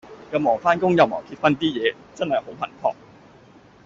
又忙返工又忙結婚 D 野，真係好頻撲